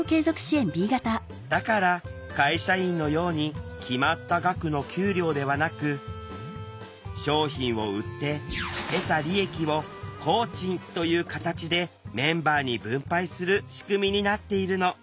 だから会社員のように決まった額の給料ではなく商品を売って得た利益を工賃という形でメンバーに分配する仕組みになっているの。